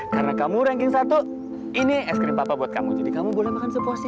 karena kamu ranking satu ini es krim papa buat kamu jadi kamu boleh makan sepuasnya